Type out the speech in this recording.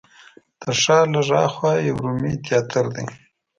تر ښار لږ هاخوا یو رومي تیاتر دی.